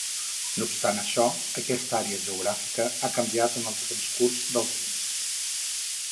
No obstant això, aquesta àrea geogràfica ha canviat en el transcurs del temps.